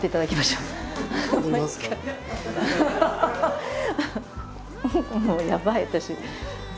もうやばい私。